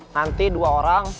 nanti dua orang